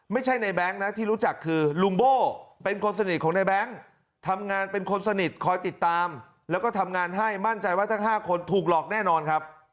ไม่ใช่ในแบงค์นะที่รู้จักคือลุงโบ้เป็นคนสนิทของในแบงค์ทำงานเป็นคนสนิทคอยติดตามแล้วก็ทำงานให้มั่นใจว่าทั้ง๕คนถูกหลอกแน่นอนครับ